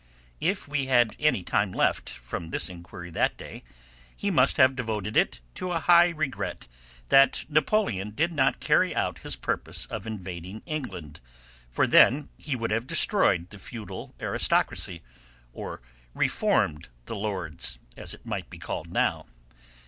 If we had any time left from this inquiry that day, he must have devoted it to a high regret that Napoleon did not carry out his purpose of invading England, for then he would have destroyed the feudal aristocracy, or "reformed the lords," as it might be called now.